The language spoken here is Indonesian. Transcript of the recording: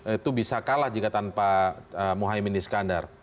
itu bisa kalah jika tanpa mohaimin iskandar